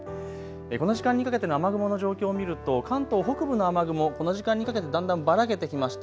この時間にかけての雨雲の状況を見ると関東北部の雨雲、この時間にかけてだんだんばらけてきました。